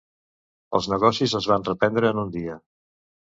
Els negocis es van reprendre en un dia.